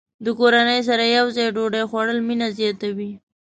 د کورنۍ سره یوځای ډوډۍ خوړل مینه زیاته وي.